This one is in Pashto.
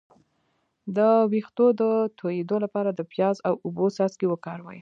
د ویښتو د تویدو لپاره د پیاز او اوبو څاڅکي وکاروئ